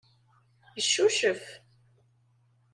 Yeccucef.